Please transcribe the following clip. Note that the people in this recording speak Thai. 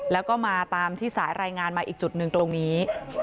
แล้วก็มาตามที่สายรายงานมาอีกจุดหนึ่งตรงนี้